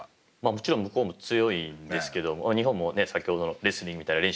もちろん向こうも強いんですけども日本もね先ほどのレスリングみたいな練習もしてましたけど。